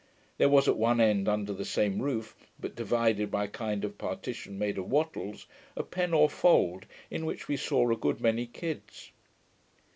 There was at one end under the same roof, but divided by a kind of partition made of wattles, a pen or fold in which we saw a good many kids.